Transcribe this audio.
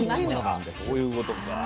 あそういうことか。